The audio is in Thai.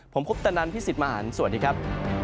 ผมคุปตะนันพี่สิทธิ์มหันฯสวัสดีครับ